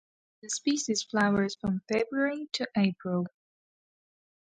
This species flowers from February to April.